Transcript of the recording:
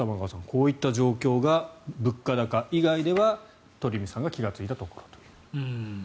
こういった状況が物価高以外では鳥海さんが気がついたところと。